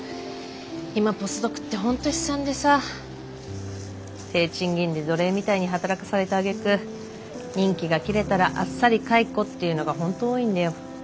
今ポスドクって本当悲惨でさ低賃金で奴隷みたいに働かされたあげく任期が切れたらあっさり解雇っていうのが本当多いんだよ。